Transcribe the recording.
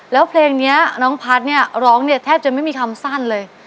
แล้วเพลงนี้น้องพัฒน์เนี่ยร้องเนี่ยแทบจะไม่มีคำสั้นเลย